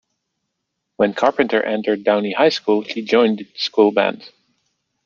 When Carpenter entered Downey High School, she joined the school band.